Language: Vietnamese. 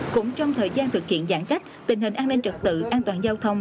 cũng trong thời gian thực hiện giãn cách tình hình an ninh trật tự an toàn giao thông